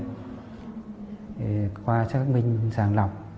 thì qua xác minh sàng lọc